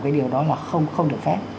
cái điều đó là không được phép